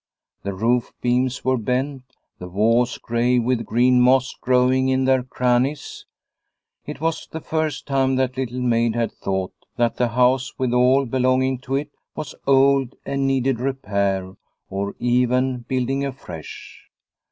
The roof beams were bent, the walls grey with green moss growing in their crannies. It was the first time that Little Maid had thought that the house with all belonging to it was old and needed repair or even building afresh.